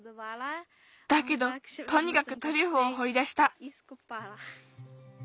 だけどとにかくトリュフをほりだした。